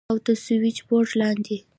او تر سوېچبورډ لاندې.